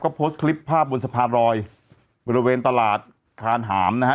โพสต์คลิปภาพบนสะพานรอยบริเวณตลาดคานหามนะฮะ